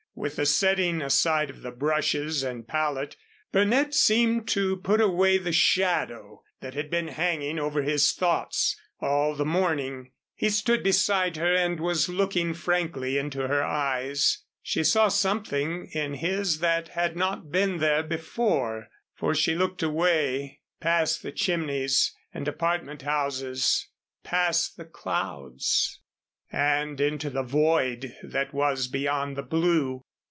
With the setting aside of the brushes and palette, Burnett seemed to put away the shadow that had been hanging over his thoughts all the morning. He stood beside her and was looking frankly into her eyes. She saw something in his that had not been there before, for she looked away, past the chimneys and apartment houses, past the clouds, and into the void that was beyond the blue.